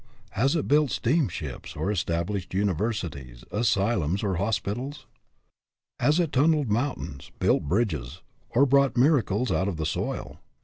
Has it built steam ships, or established universities, asylums, or hospitals? Has it tunneled mountains, built bridges, or brought miracles out of the soil?